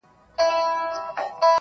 که د سپینو اوبو جام وي ستا له لاسه,